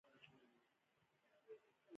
بازوګانو، اوږو او شا مې درد کاوه.